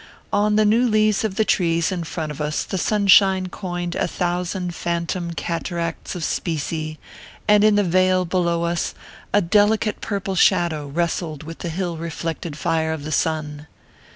On the new leaves of the trees in front of us the sunshine coined a thousand phantom cataracts of specie, and in the vale below us a delicate purple shadow wrestled with the hill reflected fire of the sun.